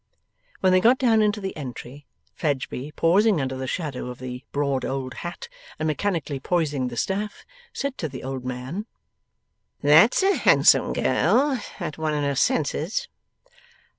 When they got down into the entry, Fledgeby, pausing under the shadow of the broad old hat, and mechanically poising the staff, said to the old man: 'That's a handsome girl, that one in her senses.